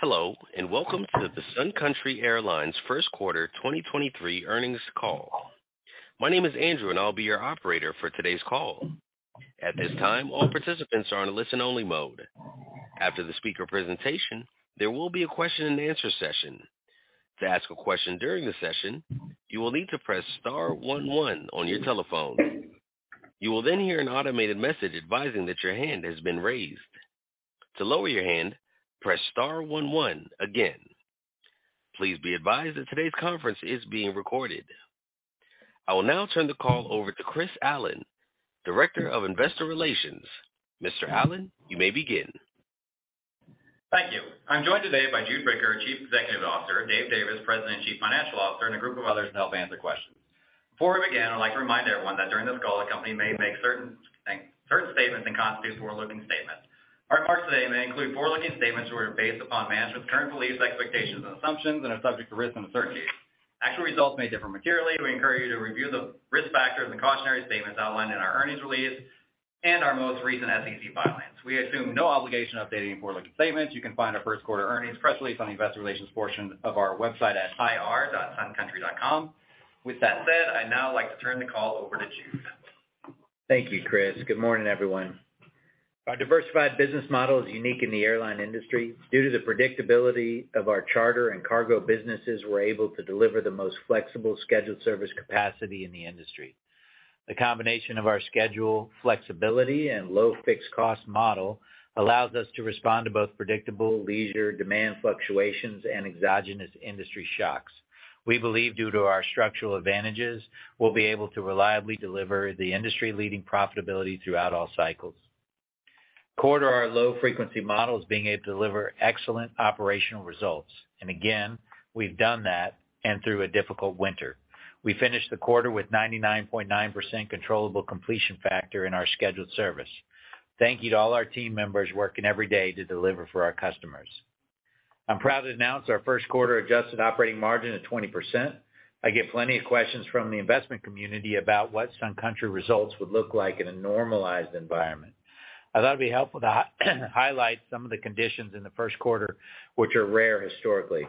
Hello, welcome to the Sun Country Airlines Q1 2023 earnings call. My name is Andrew, I'll be your operator for today's call. At this time, all participants are on a listen-only mode. After the speaker presentation, there will be a question and answer session. To ask a question during the session, you will need to press star one one on your telephone. You will hear an automated message advising that your hand has been raised. To lower your hand, press star one one again. Please be advised that today's conference is being recorded. I will now turn the call over to Chris Allen, Director of Investor Relations. Mr. Allen, you may begin. Thank you. I'm joined today by Jude Bricker, Chief Executive Officer, Dave Davis, President and Chief Financial Officer, and a group of others to help answer questions. Before we begin, I'd like to remind everyone that during this call, the company may make certain statements that constitute forward-looking statements. Our remarks today may include forward-looking statements which are based upon management's current beliefs, expectations, and assumptions and are subject to risks and uncertainties. Actual results may differ materially. We encourage you to review the risk factors and cautionary statements outlined in our earnings release and our most recent SEC filings. We assume no obligation updating forward-looking statements. You can find our Q1 earnings press release on the investor relations portion of our website at ir.suncountry.com. With that said, I'd now like to turn the call over to Jude. Thank you, Chris. Good morning, everyone. Our diversified business model is unique in the airline industry. Due to the predictability of our charter and cargo businesses, we're able to deliver the most flexible scheduled service capacity in the industry. The combination of our schedule flexibility and low fixed cost model allows us to respond to both predictable leisure demand fluctuations and exogenous industry shocks. We believe due to our structural advantages, we'll be able to reliably deliver the industry-leading profitability throughout all cycles. Quarter, our low-frequency model is being able to deliver excellent operational results. Again, we've done that and through a difficult winter. We finished the quarter with 99.9% controllable completion factor in our scheduled service. Thank you to all our team members working every day to deliver for our customers. I'm proud to announce our Q1-adjusted operating margin of 20%. I get plenty of questions from the investment community about what Sun Country results would look like in a normalized environment. I thought it'd be helpful to highlight some of the conditions in the Q1, which are rare historically.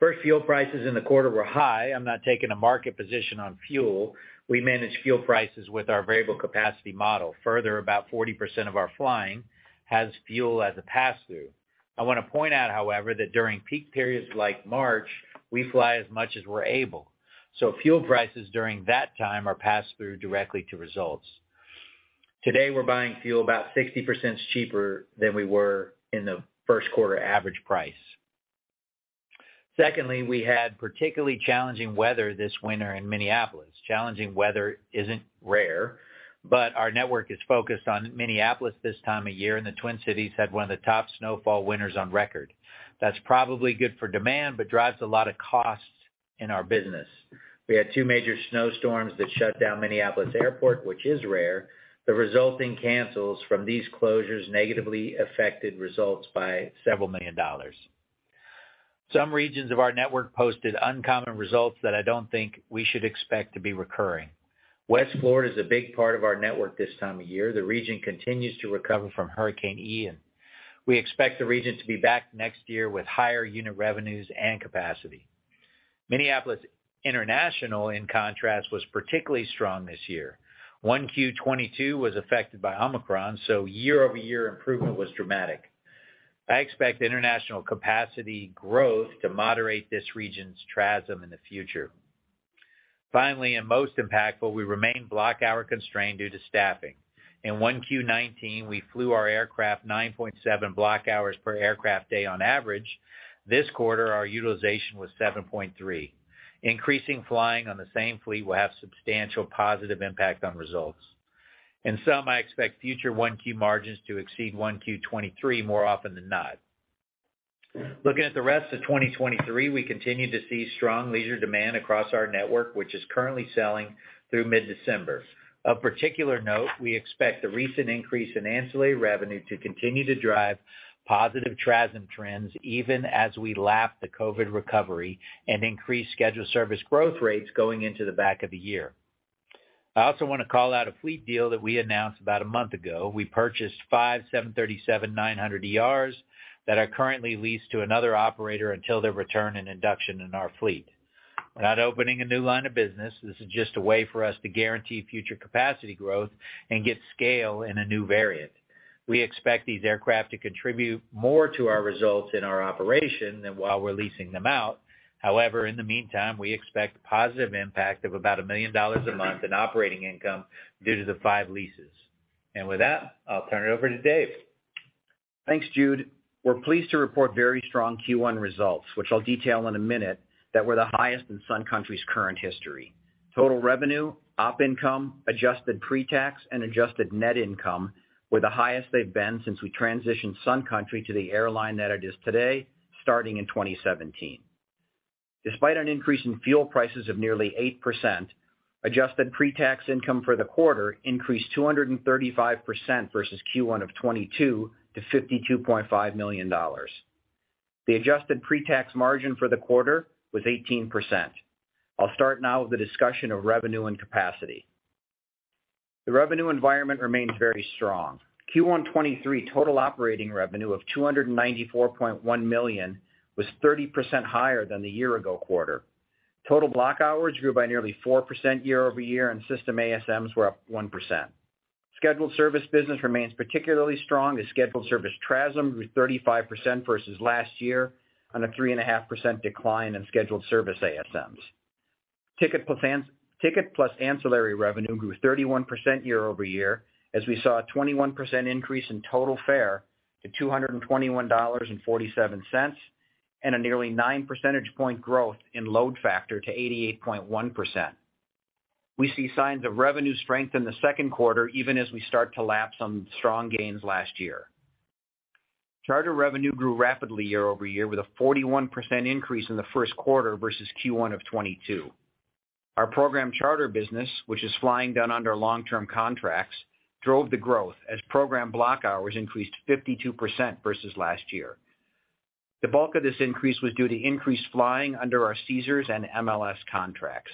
First, fuel prices in the quarter were high. I'm not taking a market position on fuel. We manage fuel prices with our variable capacity model. Further, about 40% of our flying has fuel as a pass-through. I wanna point out, however, that during peak periods like March, we fly as much as we're able. Fuel prices during that time are passed through directly to results. Today, we're buying fuel about 60% cheaper than we were in the Q1 average price. Secondly, we had particularly challenging weather this winter in Minneapolis. Challenging weather isn't rare, but our network is focused on Minneapolis this time of year, and the Twin Cities had one of the top snowfall winters on record. That's probably good for demand, but drives a lot of costs in our business. We had two major snowstorms that shut down Minneapolis Airport, which is rare. The resulting cancels from these closures negatively affected results by several million dollars. Some regions of our network posted uncommon results that I don't think we should expect to be recurring. West Florida is a big part of our network this time of year. The region continues to recover from Hurricane Ian. We expect the region to be back next year with higher unit revenues and capacity. Minneapolis International, in contrast, was particularly strong this year. Q1 2022 was affected by Omicron, so year-over-year improvement was dramatic. I expect international capacity growth to moderate this region's TRASM in the future. Finally, most impactful, we remain block hour constrained due to staffing. In Q1 2019, we flew our aircraft 9.7 block hours per aircraft day on average. This quarter, our utilization was 7.3. Increasing flying on the same fleet will have substantial positive impact on results. In some, I expect future Q1 margins to exceed Q1 2023 more often than not. Looking at the rest of 2023, we continue to see strong leisure demand across our network, which is currently selling through mid-December. Of particular note, we expect the recent increase in ancillary revenue to continue to drive positive TRASM trends even as we lap the COVID recovery and increase scheduled service growth rates going into the back of the year. I also wanna call out a fleet deal that we announced about a month ago. We purchased five 737-900ERs that are currently leased to another operator until their return and induction in our fleet. We're not opening a new line of business. This is just a way for us to guarantee future capacity growth and get scale in a new variant. We expect these aircraft to contribute more to our results in our operation than while we're leasing them out. However, in the meantime, we expect positive impact of about $1 million a month in operating income due to the 5 leases. With that, I'll turn it over to Dave. Thanks, Jude. We're pleased to report very strong Q1 results, which I'll detail in a minute, that were the highest in Sun Country's current history. Total revenue, op income, adjusted pre-tax, and adjusted net income were the highest they've been since we transitioned Sun Country to the airline that it is today, starting in 2017. Despite an increase in fuel prices of nearly 8%, adjusted pre-tax income for the quarter increased 235% versus Q1 of 2022 to $52.5 million. The adjusted pre-tax margin for the quarter was 18%. I'll start now with a discussion of revenue and capacity. The revenue environment remains very strong. Q1 2023 total operating revenue of $294.1 million was 30% higher than the year ago quarter. Total block hours grew by nearly 4% year-over-year. System ASMs were up 1%. Scheduled service business remains particularly strong as scheduled service TRASM grew 35% versus last year on a 3.5% decline in scheduled service ASMs. Ticket plus ancillary revenue grew 31% year-over-year as we saw a 21% increase in total fare to $221.47 and a nearly 9 percentage point growth in load factor to 88.1%. We see signs of revenue strength in the Q2 even as we start to lapse on strong gains last year. Charter revenue grew rapidly year-over-year with a 41% increase in the Q1 versus Q1 of 2022. Our contract charter business, which is flying down under long-term contracts, drove the growth as program block hours increased 52% versus last year. The bulk of this increase was due to increased flying under our Caesars and MLS contracts.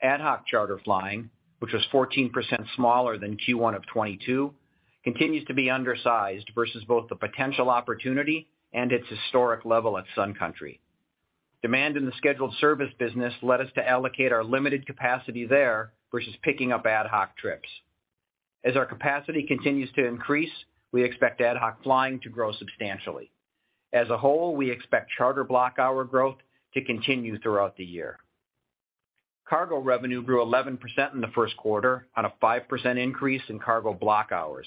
Ad hoc charter flying, which was 14% smaller than Q1 of 2022, continues to be undersized versus both the potential opportunity and its historic level at Sun Country. Demand in the scheduled service business led us to allocate our limited capacity there versus picking up ad hoc trips. As our capacity continues to increase, we expect ad hoc flying to grow substantially. As a whole, we expect charter block hour growth to continue throughout the year. Cargo revenue grew 11% in the Q1 on a 5% increase in cargo block hours.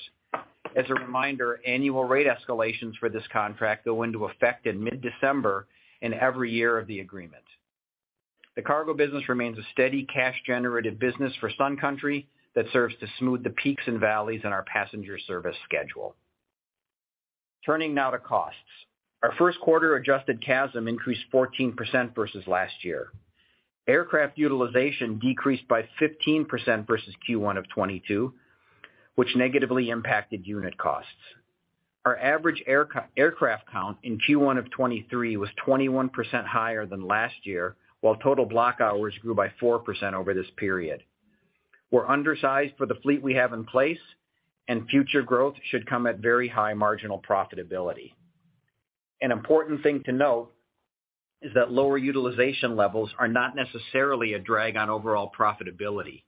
As a reminder, annual rate escalations for this contract go into effect in mid-December in every year of the agreement. The cargo business remains a steady cash generative business for Sun Country that serves to smooth the peaks and valleys in our passenger service schedule. Turning now to costs. Our Q1 adjusted CASM increased 14% versus last year. Aircraft utilization decreased by 15% versus Q1 of 2022, which negatively impacted unit costs. Our average aircraft count in Q1 of 2023 was 21% higher than last year, while total block hours grew by 4% over this period. We're undersized for the fleet we have in place. Future growth should come at very high marginal profitability. An important thing to note is that lower utilization levels are not necessarily a drag on overall profitability.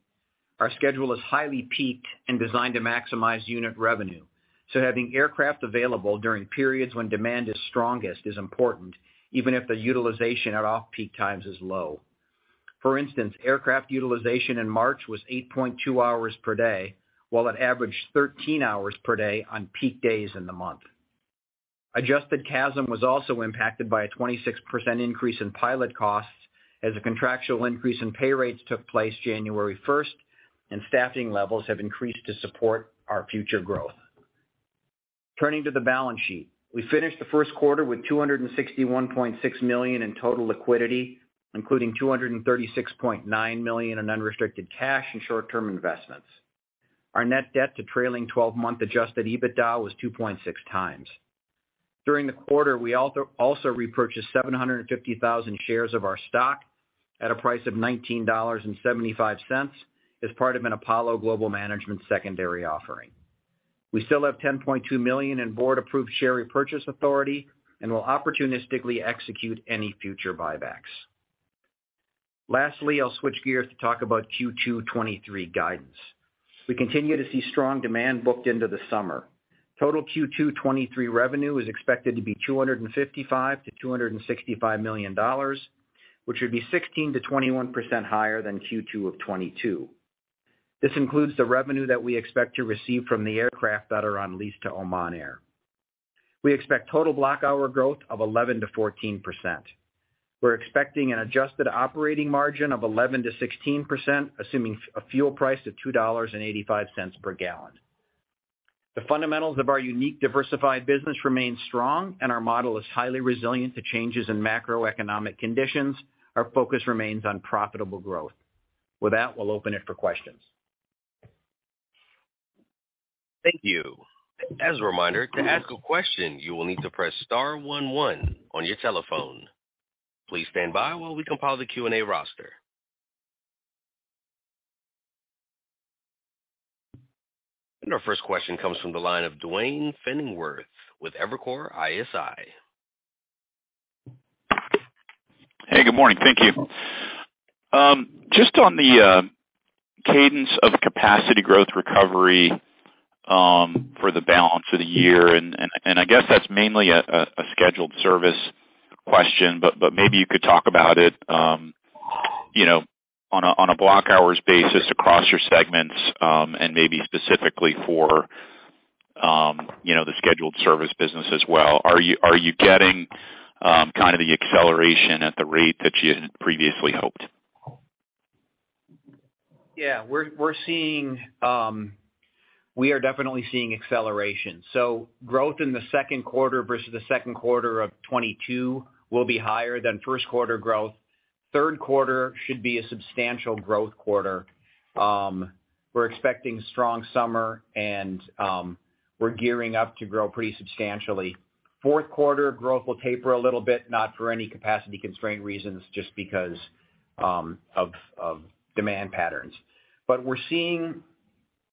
Our schedule is highly peaked and designed to maximize unit revenue, so having aircraft available during periods when demand is strongest is important, even if the utilization at off-peak times is low. For instance, aircraft utilization in March was 8.2 hours per day, while it averaged 13 hours per day on peak days in the month. Adjusted CASM was also impacted by a 26% increase in pilot costs as a contractual increase in pay rates took place January 1st, and staffing levels have increased to support our future growth. Turning to the balance sheet. We finished the Q1 with $261.6 million in total liquidity, including $236.9 million in unrestricted cash and short-term investments. Our net debt to trailing twelve-month adjusted EBITDA was 2.6 times. During the quarter, we also repurchased 750,000 shares of our stock at a price of $19.75 as part of an Apollo Global Management secondary offering. We still have $10.2 million in board-approved share repurchase authority and will opportunistically execute any future buybacks. Lastly, I'll switch gears to talk about Q2 2023 guidance. We continue to see strong demand booked into the summer. Total Q2 2023 revenue is expected to be $255 - 265 million, which would be 16%-21% higher than Q2 2022. This includes the revenue that we expect to receive from the aircraft that are on lease to Oman Air. We expect total block hour growth of 11%-14%. We're expecting an adjusted operating margin of 11%-16%, assuming a fuel price of $2.85 per gallon. The fundamentals of our unique diversified business remain strong and our model is highly resilient to changes in macroeconomic conditions. Our focus remains on profitable growth. With that, we'll open it for questions. Thank you. As a reminder, to ask a question, you will need to press star one one on your telephone. Please stand by while we compile the Q&A roster. Our first question comes from the line of Duane Pfennigwerth with Evercore ISI. Hey, good morning. Thank you. Just on the cadence of capacity growth recovery for the balance of the year, and I guess that's mainly a scheduled service question, but maybe you could talk about it, you know, on a block hours basis across your segments, and maybe specifically for, you know, the scheduled service business as well. Are you getting kind of the acceleration at the rate that you had previously hoped? Yeah. We're seeing, we are definitely seeing acceleration. Growth in the Q2 versus the Q2 of 2022 will be higher than Q1 growth. Q3 should be a substantial growth quarter. We're expecting strong summer and, we're gearing up to grow pretty substantially Fourth quarter growth will taper a little bit, not for any capacity constraint reasons, just because of demand patterns.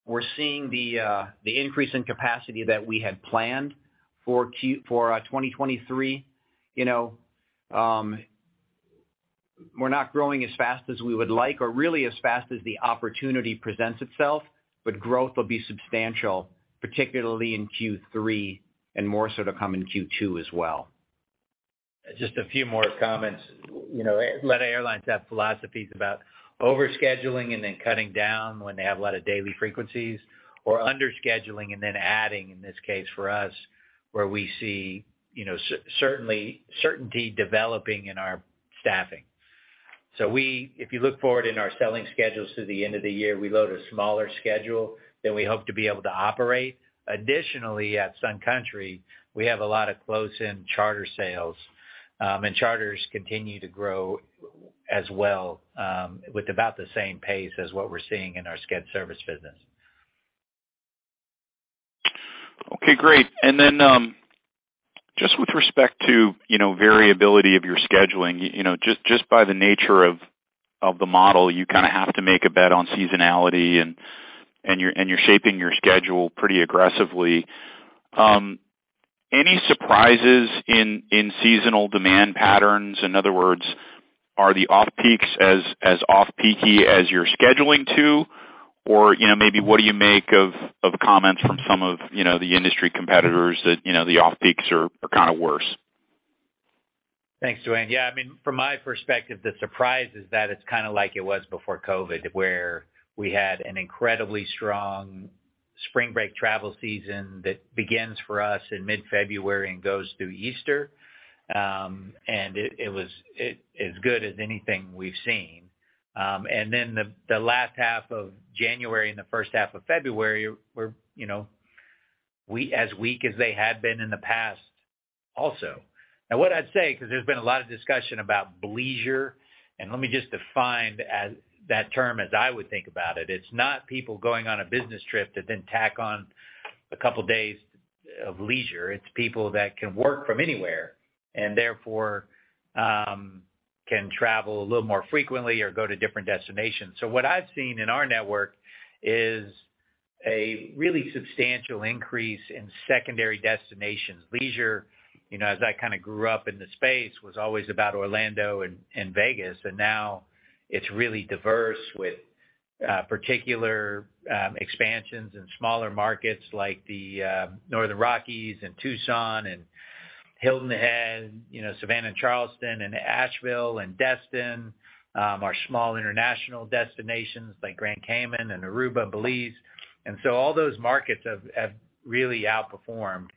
We're seeing the increase in capacity that we had planned for 2023. You know, we're not growing as fast as we would like or really as fast as the opportunity presents itself, but growth will be substantial, particularly in Q3, and more so to come in Q2 as well. Just a few more comments. You know, a lot of airlines have philosophies about overscheduling and then cutting down when they have a lot of daily frequencies or under scheduling and then adding, in this case for us, where we see, you know, certainty developing in our staffing. If you look forward in our selling schedules through the end of the year, we load a smaller schedule than we hope to be able to operate. Additionally, at Sun Country, we have a lot of close in charter sales, and charters continue to grow as well, with about the same pace as what we're seeing in our sched service business. Okay, great. Just with respect to, you know, variability of your scheduling, you know, just by the nature of the model, you kind of have to make a bet on seasonality and you're shaping your schedule pretty aggressively. Any surprises in seasonal demand patterns? In other words, are the off-peaks as off peaky as you're scheduling to? You know, maybe what do you make of comments from some of, you know, the industry competitors that, you know, the off-peaks are kind of worse? Thanks, Duane. Yeah, I mean, from my perspective, the surprise is that it's kind of like it was before COVID, where we had an incredibly strong spring break travel season that begins for us in mid-February and goes through Easter. It was as good as anything we've seen. The last half of January and the first half of February were, you know, as weak as they had been in the past also. What I'd say, because there's been a lot of discussion about bleisure, let me just define that term as I would think about it. It's not people going on a business trip that then tack on a couple of days of leisure. It's people that can work from anywhere and therefore, can travel a little more frequently or go to different destinations. What I've seen in our network is a really substantial increase in secondary destinations. Leisure, you know, as I kind of grew up in the space, was always about Orlando and Vegas, and now it's really diverse with particular expansions in smaller markets like the Northern Rockies and Tucson and Hilton Head, you know, Savannah and Charleston and Asheville and Destin, our small international destinations like Grand Cayman and Aruba, Belize. All those markets have really outperformed.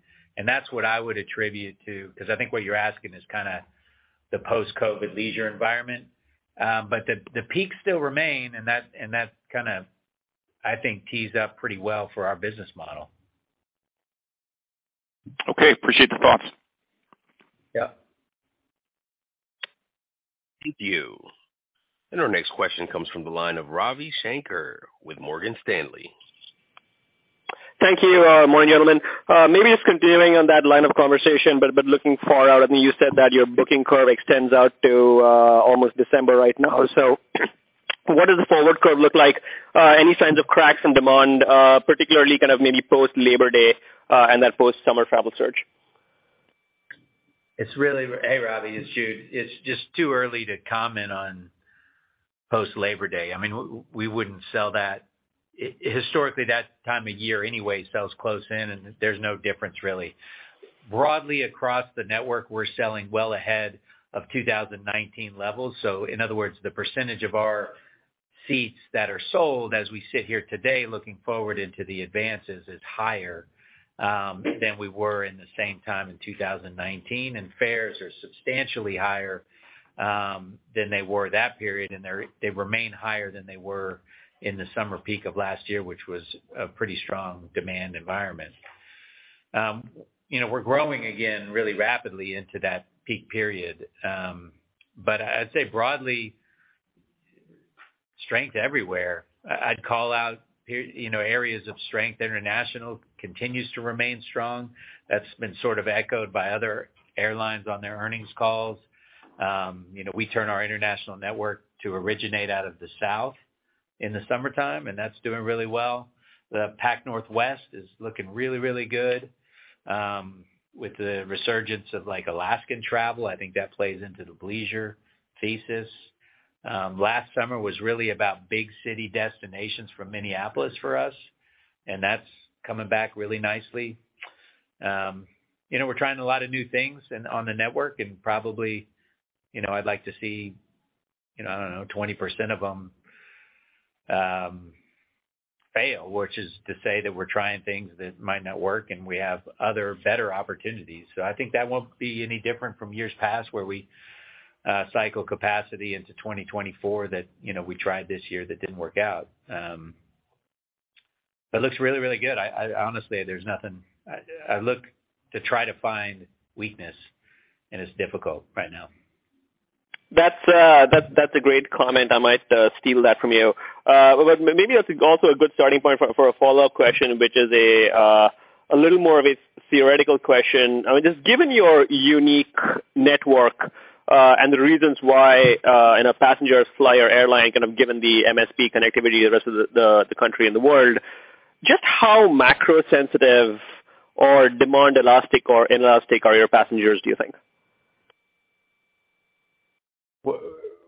That's what I would attribute to, because I think what you're asking is kinda the post-COVID leisure environment. The peaks still remain and that kind of, I think, tees up pretty well for our business model. Okay. Appreciate the thoughts. Yeah. Thank you. Our next question comes from the line of Ravi Shankar with Morgan Stanley. Thank you. Morning, gentlemen. Maybe just continuing on that line of conversation, but looking far out, I mean, you said that your booking curve extends out to almost December right now. What does the forward curve look like? Any signs of cracks in demand, particularly kind of maybe post Labor Day, and that post-summer travel surge? Hey, Ravi, it's Jude. It's just too early to comment on post Labor Day. I mean, we wouldn't sell that. Historically, that time of year anyway sells close in. There's no difference really. Broadly across the network, we're selling well ahead of 2019 levels. In other words, the percentage of our seats that are sold as we sit here today looking forward into the advances is higher than we were in the same time in 2019. Fares are substantially higher than they were that period. They remain higher than they were in the summer peak of last year, which was a pretty strong demand environment. You know, we're growing again really rapidly into that peak period. I'd say broadly, strength everywhere. I'd call out, you know, areas of strength. International continues to remain strong. That's been sort of echoed by other airlines on their earnings calls. You know, we turn our international network to originate out of the South in the summertime, and that's doing really well. The Pac Northwest is looking really, really good, with the resurgence of, like, Alaskan travel. I think that plays into the leisure thesis. Last summer was really about big city destinations from Minneapolis for us, and that's coming back really nicely. You know, we're trying a lot of new things on the network, and probably, you know, I'd like to see, you know, I don't know, 20% of them, fail, which is to say that we're trying things that might not work, and we have other better opportunities. I think that won't be any different from years past where we cycle capacity into 2024 that, you know, we tried this year that didn't work out. It looks really, really good. I honestly, there's nothing. I look to try to find weakness, and it's difficult right now. That's a great comment. I might steal that from you. Maybe that's also a good starting point for a follow-up question, which is a little more of a theoretical question. I mean, just given your unique network, and the reasons why, you know, passengers fly your airline, kind of given the MSP connectivity to the rest of the country and the world, just how macro sensitive or demand elastic or inelastic are your passengers, do you think?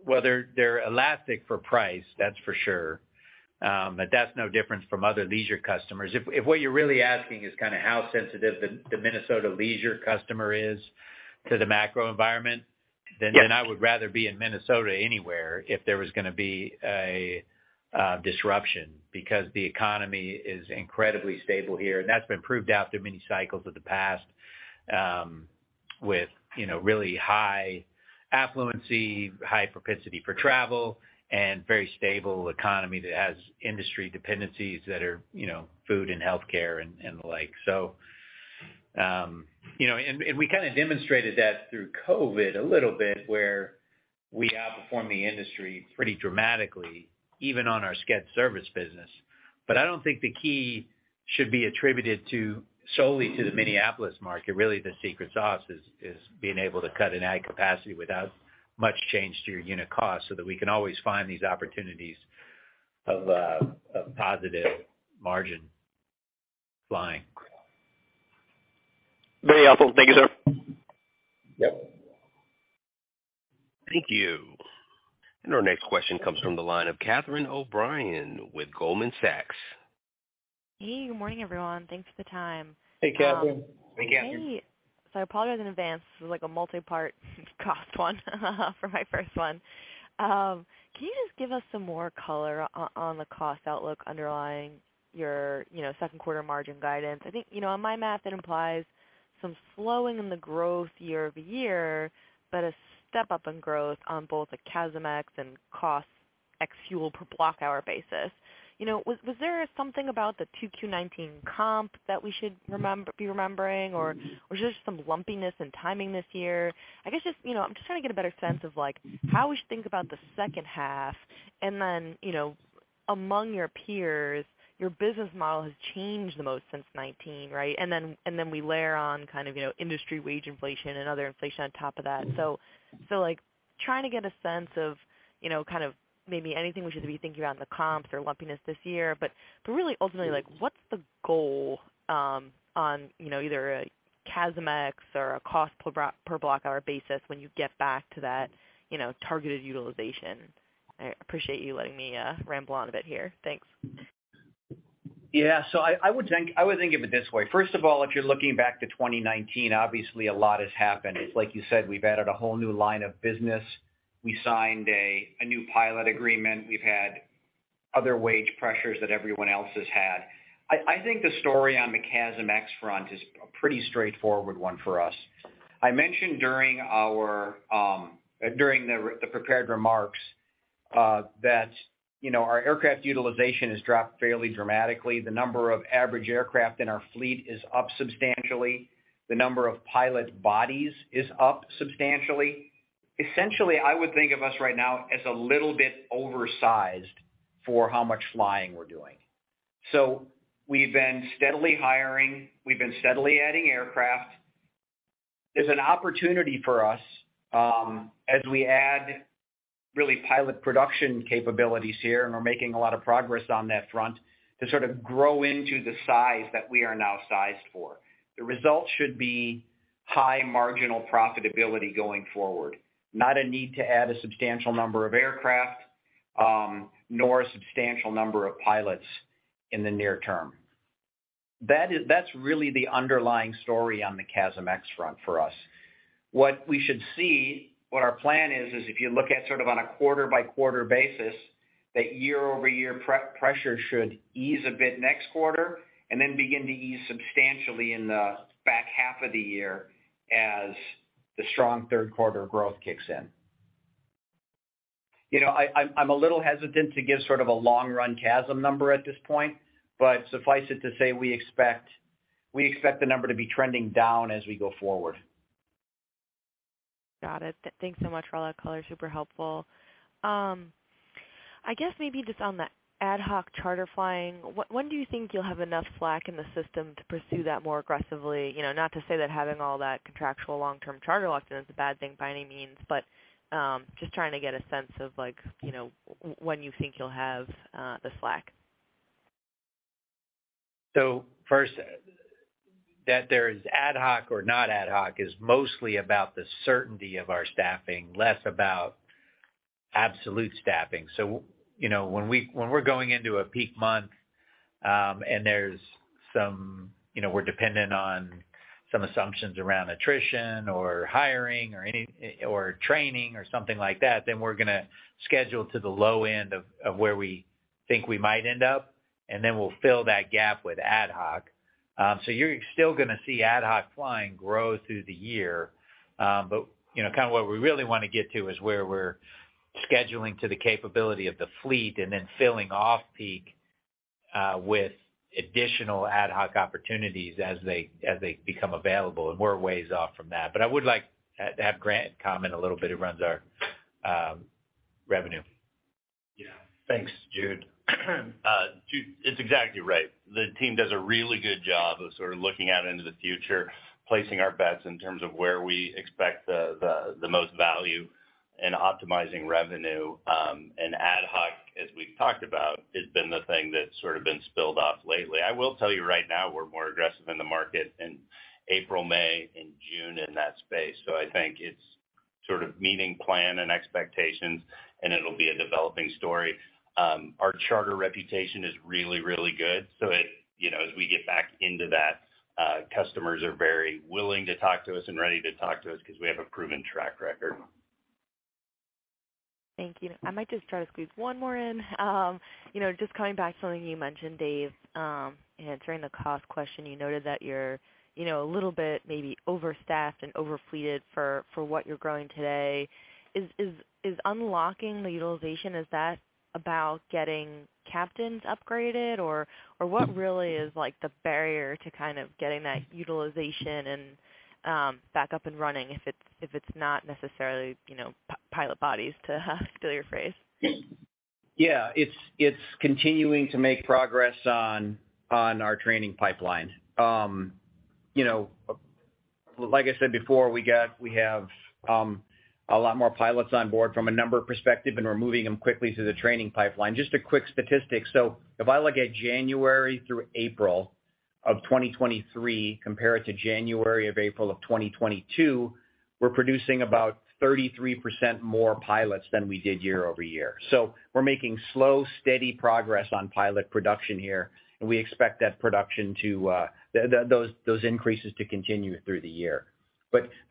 Well, they're elastic for price, that's for sure. That's no different from other leisure customers. If what you're really asking is kind of how sensitive the Minnesota leisure customer is to the macro environment? Yes Then I would rather be in Minnesota anywhere if there was gonna be a disruption because the economy is incredibly stable here. That's been proved after many cycles of the past, with, you know, really high affluency, high propensity for travel, and very stable economy that has industry dependencies that are, you know, food and healthcare and the like. you know, and we kind of demonstrated that through COVID a little bit where we outperformed the industry pretty dramatically, even on our sched service business. I don't think the key should be attributed solely to the Minneapolis market. Really, the secret sauce is being able to cut and add capacity without much change to your unit cost so that we can always find these opportunities of positive margin flying. Very helpful. Thank you, sir. Yep. Thank you. Our next question comes from the line of Catherine O'Brien with Goldman Sachs. Hey, good morning, everyone. Thanks for the time. Hey, Catherine. Hey, Catherine. I apologize in advance. This is like a multi-part cost one for my first one. Can you just give us some more color on the cost outlook underlying your, you know, Q2 margin guidance? I think, you know, on my math, that implies some slowing in the growth year-over-year, but a step-up in growth on both a CASM ex and cost ex fuel per block hour basis. You know, was there something about the Q2 2019 comp that we should be remembering, or just some lumpiness and timing this year? I guess just, you know, I'm just trying to get a better sense of, like, how we should think about the second half. You know, among your peers, your business model has changed the most since 2019, right? We layer on kind of, you know, industry wage inflation and other inflation on top of that. Trying to get a sense of, you know, kind of maybe anything we should be thinking about in the comps or lumpiness this year. Really ultimately, like, what's the goal on, you know, either a CASM ex or a cost per block hour basis when you get back to that, you know, targeted utilization? I appreciate you letting me ramble on a bit here. Thanks. Yeah. I would think of it this way. First of all, if you're looking back to 2019, obviously a lot has happened. It's like you said, we've added a whole new line of business. We signed a new pilot agreement. We've had other wage pressures that everyone else has had. I think the story on the CASM ex front is a pretty straightforward one for us. I mentioned during our, during the prepared remarks, that, you know, our aircraft utilization has dropped fairly dramatically. The number of average aircraft in our fleet is up substantially. The number of pilot bodies is up substantially. Essentially, I would think of us right now as a little bit oversized for how much flying we're doing. We've been steadily hiring, we've been steadily adding aircraft. There's an opportunity for us, as we add really pilot production capabilities here, and we're making a lot of progress on that front, to sort of grow into the size that we are now sized for. The result should be high marginal profitability going forward, not a need to add a substantial number of aircraft, nor a substantial number of pilots in the near term. That's really the underlying story on the CASM ex front for us. What we should see, what our plan is if you look at sort of on a quarter-by-quarter basis, that year-over-year pre-pressure should ease a bit next quarter, and then begin to ease substantially in the back half of the year as the strong Q3 growth kicks in. You know, I'm a little hesitant to give sort of a long run CASM number at this point, but suffice it to say, we expect the number to be trending down as we go forward. Got it. Thanks so much for all that color. Super helpful. I guess maybe just on the ad hoc charter flying, when do you think you'll have enough slack in the system to pursue that more aggressively? You know, not to say that having all that contractual long-term charter locked in is a bad thing by any means, just trying to get a sense of like, you know, when you think you'll have the slack. First, that there is ad hoc or not ad hoc is mostly about the certainty of our staffing, less about absolute staffing. You know, when we're going into a peak month, and there's some, you know, we're dependent on some assumptions around attrition or hiring or training or something like that, then we're gonna schedule to the low end of where we think we might end up, and then we'll fill that gap with ad hoc. You're still gonna see ad hoc flying grow through the year. You know, kinda what we really wanna get to is where we're scheduling to the capability of the fleet and then filling off-peak with additional ad hoc opportunities as they, as they become available, and we're ways off from that. I would like to have Grant comment a little bit. He runs our revenue. Thanks, Jude. Jude, it's exactly right. The team does a really good job of sort of looking out into the future, placing our bets in terms of where we expect the most value in optimizing revenue. Ad hoc, as we've talked about, has been the thing that's sort of been spilled off lately. I will tell you right now, we're more aggressive in the market in April, May and June in that space. I think it's sort of meeting plan and expectations, and it'll be a developing story. Our charter reputation is really, really good. You know, as we get back into that, customers are very willing to talk to us and ready to talk to us because we have a proven track record. Thank you. I might just try to squeeze one more in. You know, just coming back to something you mentioned, Dave, answering the cost question, you noted that you're, you know, a little bit maybe overstaffed and over-fleeted for what you're growing today. Is unlocking the utilization, is that about getting captains upgraded or what really is, like, the barrier to kind of getting that utilization and back up and running if it's not necessarily, you know, pilot bodies, to steal your phrase? Yeah. It's continuing to make progress on our training pipeline. You know, like I said before, we have a lot more pilots on board from a number perspective, and we're moving them quickly through the training pipeline. Just a quick statistic. If I look at January through April of 2023, compare it to January of April of 2022, we're producing about 33% more pilots than we did year-over-year. We're making slow, steady progress on pilot production here, and we expect that production to those increases to continue through the year.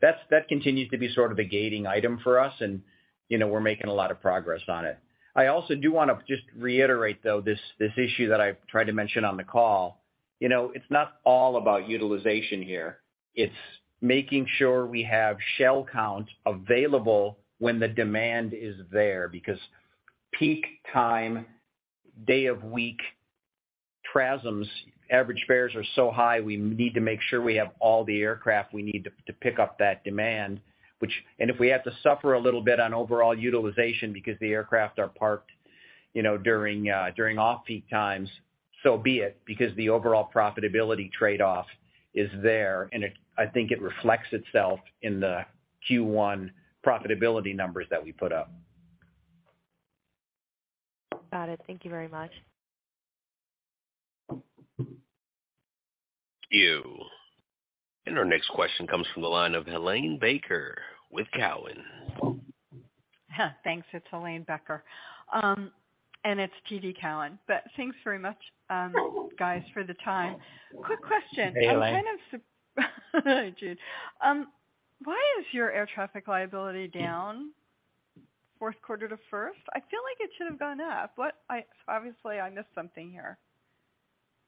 That continues to be sort of a gating item for us and, you know, we're making a lot of progress on it. I also do wanna just reiterate, though, this issue that I've tried to mention on the call. You know, it's not all about utilization here. It's making sure we have shell counts available when the demand is there, because peak time, day of week TRASM's average fares are so high, we need to make sure we have all the aircraft we need to pick up that demand. If we have to suffer a little bit on overall utilization because the aircraft are parked, you know, during off-peak times, so be it, because the overall profitability trade-off is there. I think it reflects itself in the Q1 profitability numbers that we put up. Got it. Thank you very much. Our next question comes from the line of Helane Becker with Cowen. Thanks. It's Helane Becker. It's TD Cowen. Thanks very much, guys, for the time. Hey, Helane. Quick question. I'm kind of Jude. Why is your air traffic liability down Q4 to first? I feel like it should have gone up. Obviously I missed something here.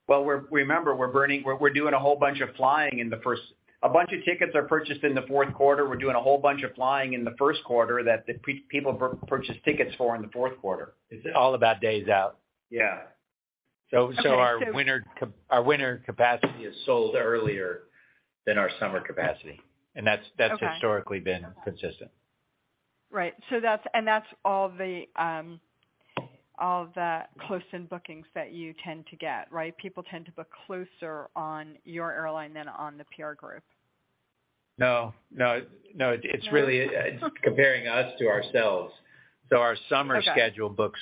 Well, remember, we're doing a whole bunch of flying in Q1. A bunch of tickets are purchased in the Q4. We're doing a whole bunch of flying in the Q1 that people purchase tickets for in the Q4. It's all about days out. Yeah. Okay. Our winter capacity is sold earlier than our summer capacity. Okay. That's historically been consistent. Right. That's all the close-in bookings that you tend to get, right? People tend to book closer on your airline than on the peer group. No. No? It's comparing us to ourselves. Okay. Our summer schedule books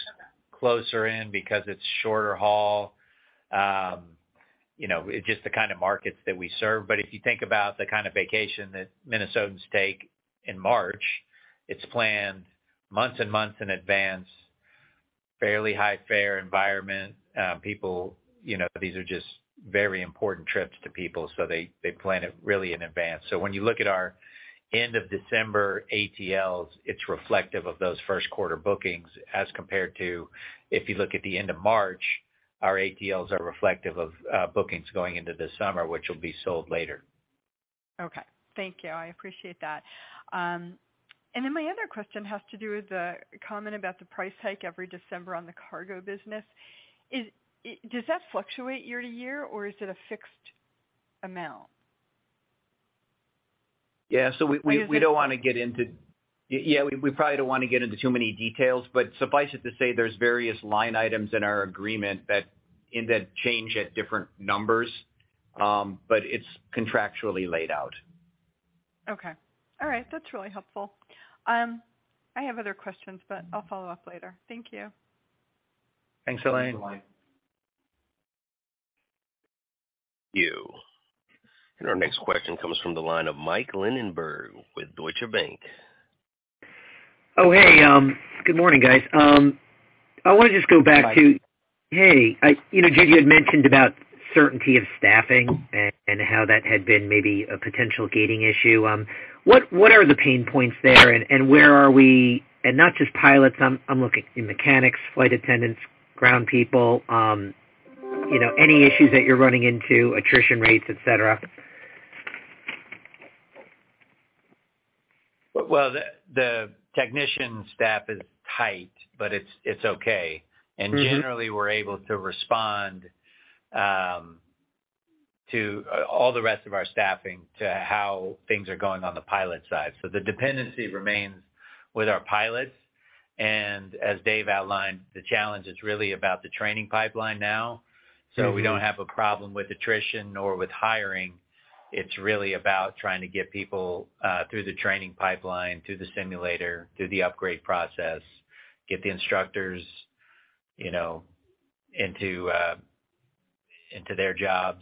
closer in because it's shorter haul. you know, it's just the kind of markets that we serve. If you think about the kind of vacation that Minnesotans take in March, it's planned months and months in advance, fairly high fare environment. people, you know, these are just very important trips to people, so they plan it really in advance. When you look at our end of December ATLs, it's reflective of those Q1 bookings as compared to if you look at the end of March, our ATLs are reflective of bookings going into the summer, which will be sold later. Okay. Thank you. I appreciate that. Then my other question has to do with the comment about the price hike every December on the cargo business. Does that fluctuate year to year, or is it a fixed amount? Yeah. I guess. We probably don't wanna get into too many details. Suffice it to say there's various line items in our agreement that change at different numbers, but it's contractually laid out. Okay. All right. That's really helpful. I have other questions, but I'll follow up later. Thank you. Thanks, Helane. Thanks, Helane. You. Our next question comes from the line of Mike Linenberg with Deutsche Bank. Oh, hey. Good morning, guys. I wanna just go back to- Mike. Hey. you know, Jude, you had mentioned about certainty of staffing and how that had been maybe a potential gating issue. What are the pain points there, and where are we? Not just pilots, I'm looking in mechanics, flight attendants, ground people, you know, any issues that you're running into, attrition rates, et cetera. Well, the technician staff is tight, but it's okay. Mm-hmm. Generally, we're able to respond, to all the rest of our staffing to how things are going on the pilot side. The dependency remains with our pilots. As Dave outlined, the challenge is really about the training pipeline now. Mm-hmm. We don't have a problem with attrition nor with hiring. It's really about trying to get people through the training pipeline, through the simulator, through the upgrade process, get the instructors, you know, into into their jobs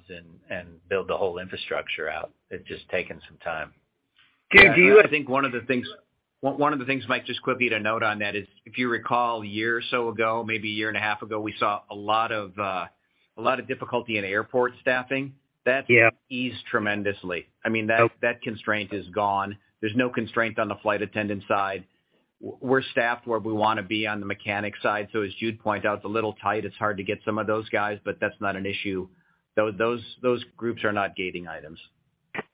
and build the whole infrastructure out. It's just taken some time. Dave, do you- I think one of the things, Mike, just quickly to note on that is if you recall a year or so ago, maybe a year and a half ago, we saw a lot of difficulty in airport staffing. Yeah. That's eased tremendously. I mean, that constraint is gone. There's no constraint on the flight attendant side. We're staffed where we wanna be on the mechanic side. As Jude pointed out, it's a little tight. It's hard to get some of those guys, but that's not an issue. Those groups are not gating items.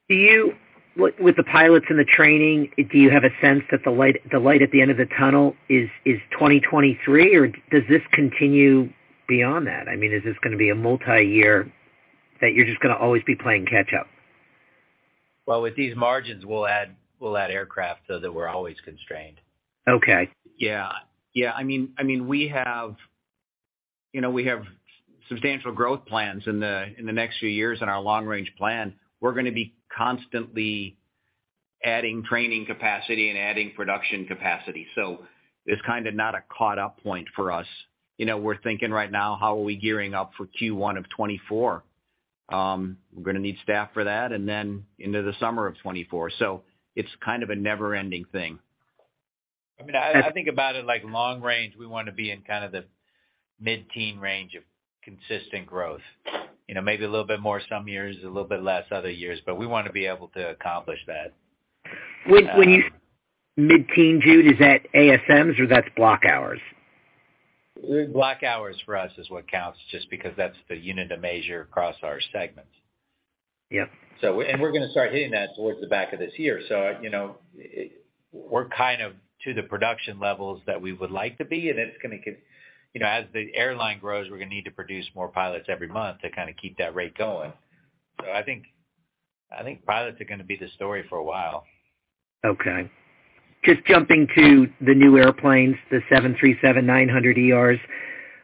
With the pilots and the training, do you have a sense that the light at the end of the tunnel is 2023, or does this continue beyond that? I mean, is this gonna be a multi-year that you're just gonna always be playing catch up? Well, with these margins, we'll add aircraft so that we're always constrained. Okay. Yeah. Yeah. I mean, we have, you know, we have substantial growth plans in the, in the next few years in our long-range plan. We're gonna be constantly adding training capacity and adding production capacity. It's kinda not a caught up point for us. You know, we're thinking right now, how are we gearing up for Q1 of 2024? We're gonna need staff for that, and then into the summer of 2024. It's kind of a never-ending thing. I mean, I think about it like long range. We wanna be in kind of the mid-teen range of consistent growth. You know, maybe a little bit more some years, a little bit less other years, but we wanna be able to accomplish that. Mid-teen, Jude, is that ASMs or that's block hours? Block hours for us is what counts, just because that's the unit of measure across our segments. Yeah. We're gonna start hitting that towards the back of this year. You know, we're kind of to the production levels that we would like to be. You know, as the airline grows, we're gonna need to produce more pilots every month to kinda keep that rate going. I think pilots are gonna be the story for a while. Okay. Just jumping to the new airplanes, the 737-900ERs.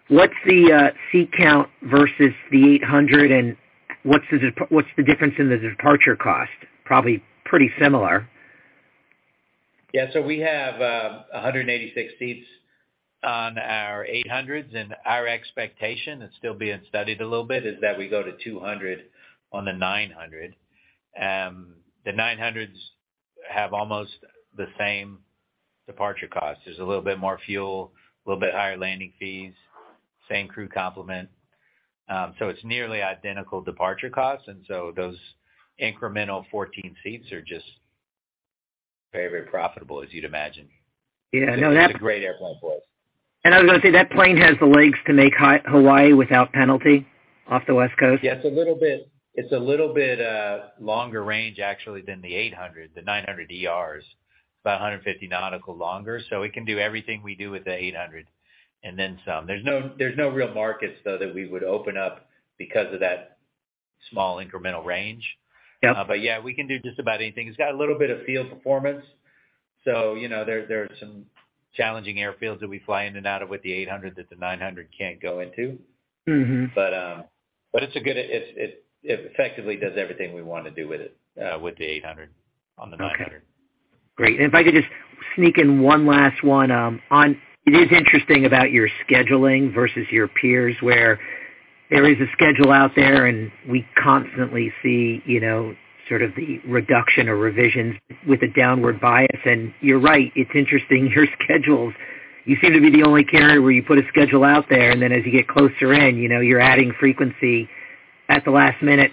What's the seat count versus the 800, and what's the difference in the departure cost? Probably pretty similar. We have 186 seats on our eight hundreds, and our expectation, it's still being studied a little bit, is that we go to 200 on the nine hundred. The nine hundreds have almost the same departure cost. There's a little bit more fuel, a little bit higher landing fees, same crew complement. It's nearly identical departure costs, and so those incremental 14 seats are just very, very profitable, as you'd imagine. Yeah, I know. It's a great airplane for us. I was gonna say, that plane has the legs to make Hawaii without penalty off the West Coast? Yeah, it's a little bit longer range, actually, than the 800. The 737-900ERs, it's about 150 nautical longer. We can do everything we do with the 800, and then some. There's no real markets, though, that we would open up because of that small incremental range. Yep. yeah, we can do just about anything. It's got a little bit of field performance, so, you know, there are some challenging airfields that we fly in and out of with the 800 that the 900 can't go into. Mm-hmm. It effectively does everything we wanna do with it, with the 800 on the 900. Okay. Great. If I could just sneak in one last one. It is interesting about your scheduling versus your peers, where there is a schedule out there, we constantly see, you know, sort of the reduction or revisions with a downward bias. You're right, it's interesting, your schedules. You seem to be the only carrier where you put a schedule out there, and then as you get closer in, you know, you're adding frequency at the last minute.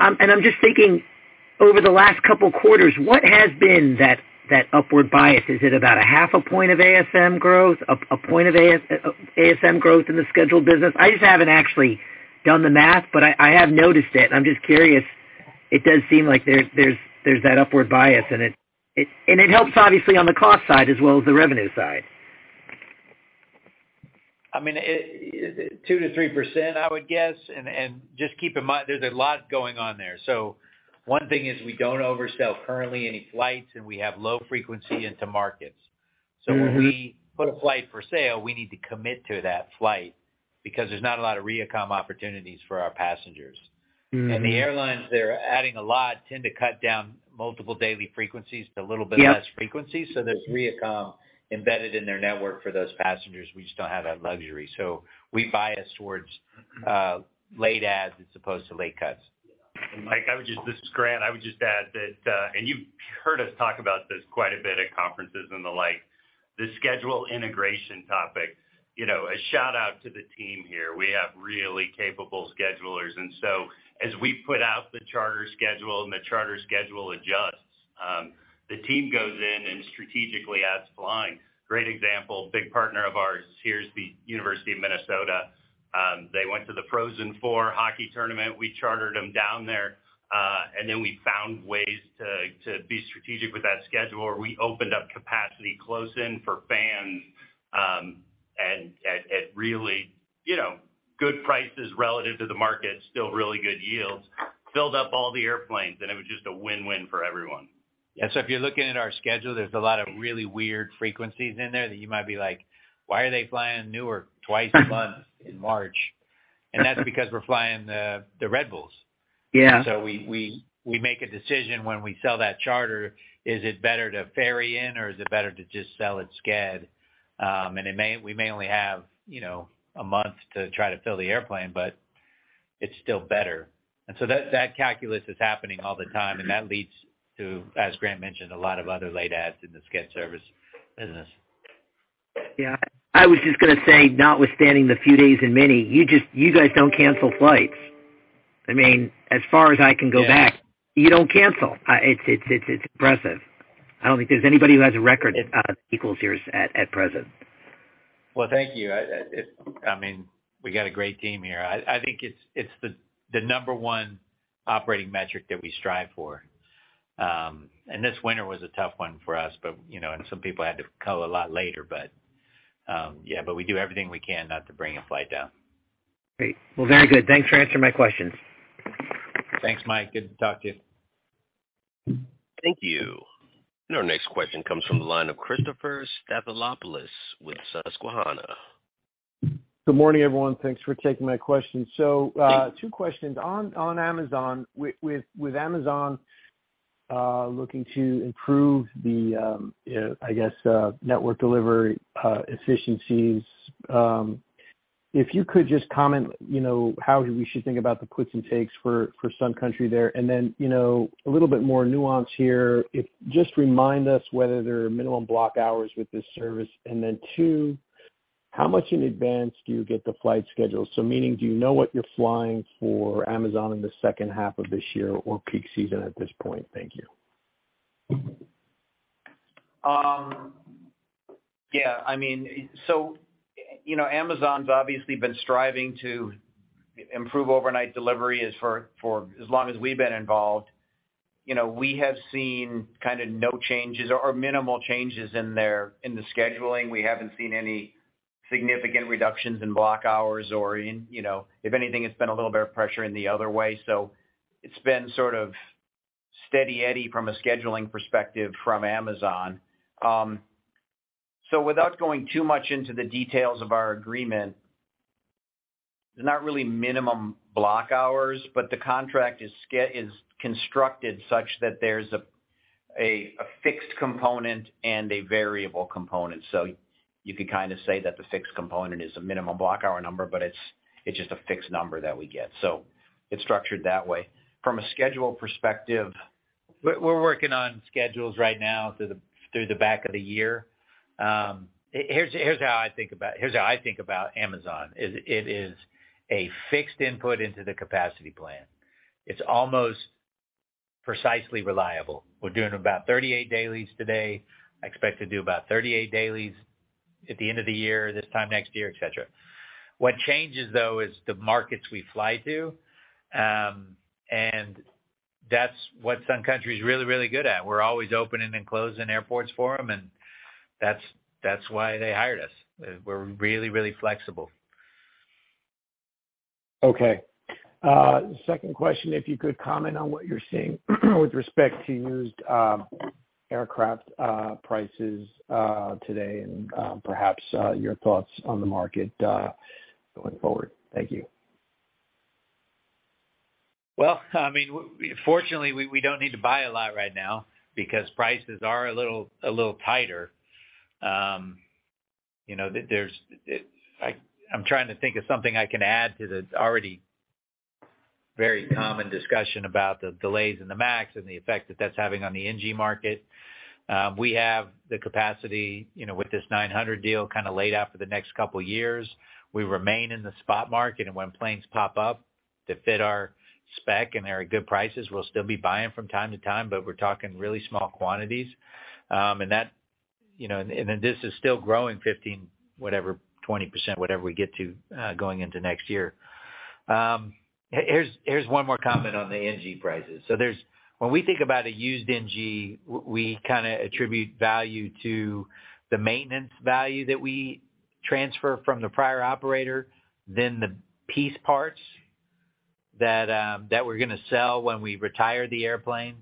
I'm just thinking over the last couple quarters, what has been that upward bias? Is it about a half a point of ASM growth, 1 point of ASM growth in the scheduled business? I just haven't actually done the math, but I have noticed it. I'm just curious. It does seem like there's that upward bias, and it helps obviously on the cost side as well as the revenue side. I mean, it. 2%-3%, I would guess. Just keep in mind, there's a lot going on there. One thing is we don't oversell currently any flights, and we have low frequency into markets. Mm-hmm. When we put a flight for sale, we need to commit to that flight because there's not a lot of re-accom opportunities for our passengers. Mm-hmm. The airlines that are adding a lot tend to cut down multiple daily frequencies to a little bit less frequency- Yeah So there's re-accom embedded in their network for those passengers. We just don't have that luxury. We bias towards late adds as opposed to late cuts. Mike, I would just. This is Grant. I would just add that, and you've heard us talk about this quite a bit at conferences and the like. The schedule integration topic, you know, a shout-out to the team here. We have really capable schedulers. So as we put out the charter schedule and the charter schedule adjusts. The team goes in and strategically adds flying. Great example, big partner of ours here is the University of Minnesota. They went to the Frozen Four hockey tournament. We chartered them down there, and then we found ways to be strategic with that schedule, where we opened up capacity close in for fans, at really, you know, good prices relative to the market, still really good yields. Filled up all the airplanes. It was just a win-win for everyone. Yeah. If you're looking at our schedule, there's a lot of really weird frequencies in there that you might be like, "Why are they flying Newark twice a month in March?" That's because we're flying the Red Bulls. Yeah. We make a decision when we sell that charter, is it better to ferry in or is it better to just sell it sched? We may only have, you know, a month to try to fill the airplane, but it's still better. That calculus is happening all the time, and that leads to, as Grant mentioned, a lot of other late adds in the sched service business. Yeah. I was just gonna say, notwithstanding the few days in Minneapolis, you guys don't cancel flights. I mean, as far as I can go back... Yeah. You don't cancel. It's impressive. I don't think there's anybody who has a record equals yours at present. Well, thank you. I mean, we got a great team here. I think it's the number one operating metric that we strive for. This winter was a tough one for us, but, you know, and some people had to cull a lot later. Yeah, but we do everything we can not to bring a flight down. Great. Well, very good. Thanks for answering my questions. Thanks, Mike. Good to talk to you. Thank you. Our next question comes from the line of Christopher Stathoulopoulos with Susquehanna. Good morning, everyone. Thanks for taking my question. Two questions. On Amazon, with Amazon, looking to improve the, I guess, network delivery efficiencies, if you could just comment, you know, how we should think about the puts and takes for Sun Country there. You know, a little bit more nuance here, just remind us whether there are minimum block hours with this service. Then 2, how much in advance do you get the flight schedule? Meaning, do you know what you're flying for Amazon in the second half of this year or peak season at this point? Thank you. Yeah, I mean, you know, Amazon's obviously been striving to improve overnight delivery for as long as we've been involved. You know, we have seen kind of no changes or minimal changes in their, in the scheduling. We haven't seen any significant reductions in block hours or in. If anything, it's been a little bit of pressure in the other way. It's been sort of steady eddy from a scheduling perspective from Amazon. Without going too much into the details of our agreement, there's not really minimum block hours, but the contract is constructed such that there's a fixed component and a variable component. You could kind of say that the fixed component is a minimum block hour number, but it's just a fixed number that we get. It's structured that way. From a schedule perspective, we're working on schedules right now through the back of the year. Here's how I think about Amazon, is it is a fixed input into the capacity plan. It's almost precisely reliable. We're doing about 38 dailies today. I expect to do about 38 dailies at the end of the year, this time next year, et cetera. What changes, though, is the markets we fly to. That's what Sun Country is really good at. We're always opening and closing airports for them, that's why they hired us. We're really flexible. Okay. Second question, if you could comment on what you're seeing with respect to used aircraft prices today and perhaps your thoughts on the market going forward. Thank you. Well, I mean, fortunately, we don't need to buy a lot right now because prices are a little tighter. You know, there's something I can add to the already very common discussion about the delays in the MAX and the effect that that's having on the NG market. We have the capacity, you know, with this 900 deal kinda laid out for the next couple years. We remain in the spot market. When planes pop up that fit our spec and they're at good prices, we'll still be buying from time to time, but we're talking really small quantities. That, you know, this is still growing 15, whatever, 20%, whatever we get to, going into next year. Here's one more comment on the NG prices. When we think about a used NG, we kinda attribute value to the maintenance value that we transfer from the prior operator, then the piece parts that we're gonna sell when we retire the airplane,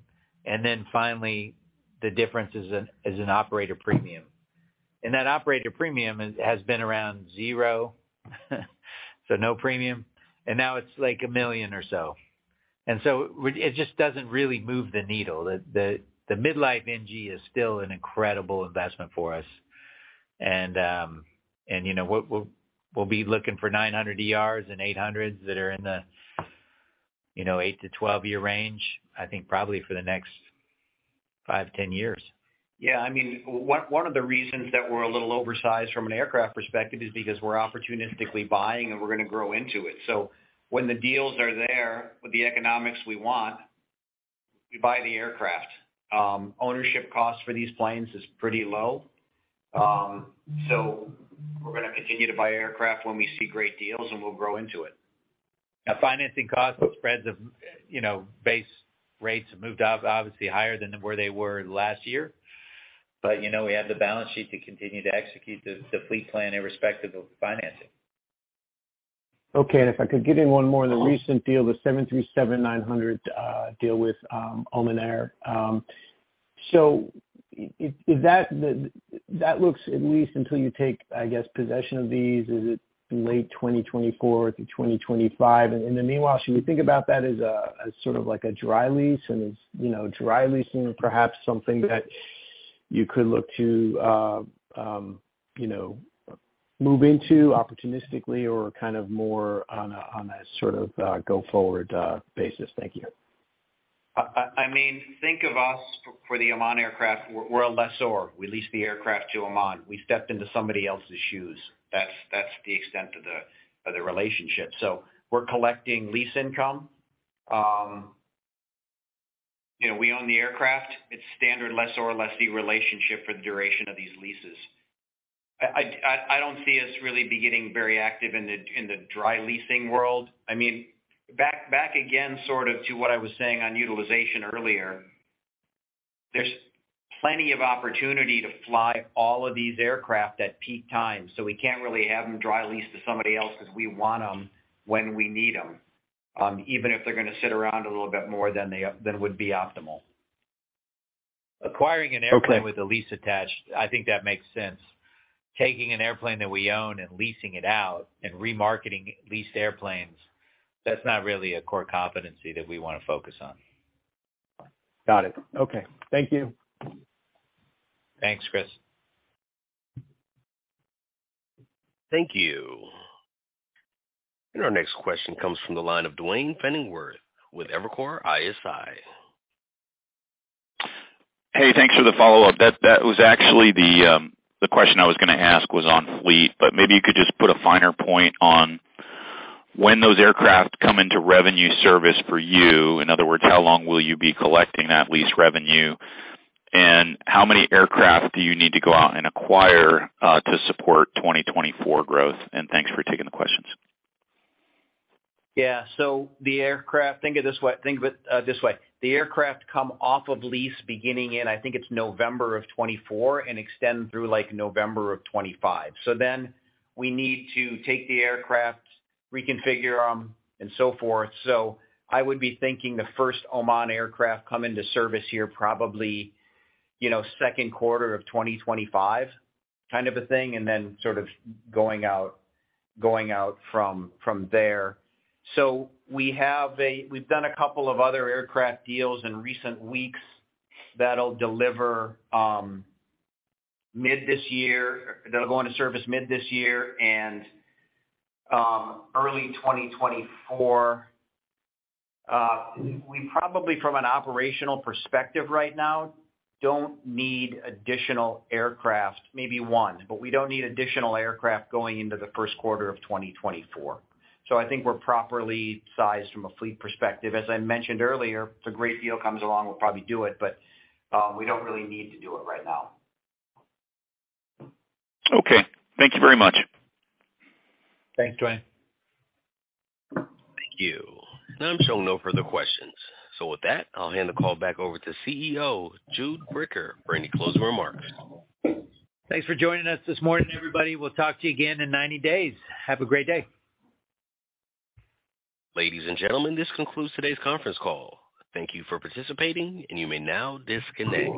then finally, the difference as an operator premium. That operator premium is has been around 0, so no premium, and now it's like $1 million or so. It just doesn't really move the needle. The midlife NG is still an incredible investment for us. You know, we'll be looking for 900ERs and 800s that are in the, you know, 8-12 year range, I think probably for the next 5-10 years. Yeah, I mean, one of the reasons that we're a little oversized from an aircraft perspective is because we're opportunistically buying and we're gonna grow into it. When the deals are there with the economics we want, we buy the aircraft. Ownership costs for these planes is pretty low. We're gonna continue to buy aircraft when we see great deals and we'll grow into it. Now, financing costs will spread the, you know, base rates have moved up obviously higher than where they were last year. We have the balance sheet to continue to execute the fleet plan irrespective of financing. Okay. If I could get in one more on the recent deal, the 737-900 deal with Oman Air. That looks at least until you take, I guess, possession of these, is it late 2024 through 2025? In the meanwhile, should we think about that as a, as sort of like a dry lease and is, you know, dry leasing perhaps something that you could look to, you know, move into opportunistically or kind of more on a, on a sort of, go forward basis? Thank you. I mean, think of us for the Oman aircraft, we're a lessor. We lease the aircraft to Oman Air. We stepped into somebody else's shoes. That's the extent of the relationship. We're collecting lease income. You know, we own the aircraft. It's standard lessor-lessee relationship for the duration of these leases. I don't see us really be getting very active in the dry leasing world. I mean, back again sort of to what I was saying on utilization earlier, there's plenty of opportunity to fly all of these aircraft at peak times, we can't really have them dry leased to somebody else because we want them when we need them, even if they're gonna sit around a little bit more than they would be optimal. Okay. Acquiring an airplane with a lease attached, I think that makes sense. Taking an airplane that we own and leasing it out and remarketing leased airplanes, that's not really a core competency that we wanna focus on. Got it. Okay. Thank you. Thanks, Chris. Thank you. Our next question comes from the line of Duane Pfennigwerth with Evercore ISI. Hey, thanks for the follow-up. That was actually the question I was gonna ask was on fleet, but maybe you could just put a finer point on when those aircraft come into revenue service for you. In other words, how long will you be collecting that lease revenue, and how many aircraft do you need to go out and acquire to support 2024 growth? Thanks for taking the questions. Yeah. The aircraft. Think of it this way. The aircraft come off of lease beginning in, I think it's November of 2024, and extend through like November of 2025. We need to take the aircraft, reconfigure them, and so forth. I would be thinking the first Oman aircraft come into service here probably, you know, Q2 of 2025 kind of a thing, and then sort of going out from there. We've done a couple of other aircraft deals in recent weeks that'll deliver mid this year. They'll go into service mid this year and early 2024. We probably, from an operational perspective right now, don't need additional aircraft. Maybe one, but we don't need additional aircraft going into the Q1 of 2024. I think we're properly sized from a fleet perspective. As I mentioned earlier, if a great deal comes along, we'll probably do it, but we don't really need to do it right now. Okay. Thank you very much. Thanks, Duane. Thank you. Now I'm showing no further questions. With that, I'll hand the call back over to CEO, Jude Bricker, for any closing remarks. Thanks for joining us this morning, everybody. We'll talk to you again in 90 days. Have a great day. Ladies and gentlemen, this concludes today's conference call. Thank you for participating, and you may now disconnect.